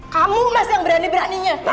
kamu mas yang berani beraninya